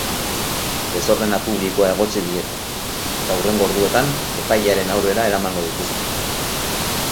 Desordena publikoa egotzi diete eta hurrengo orduetan epailearen aurrera eramango dituzte.